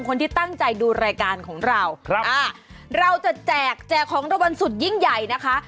คนที่ตั้งใจดูรายการของเราครับอ่าเราจะแจกแจกของรางวัลสุดยิ่งใหญ่นะคะ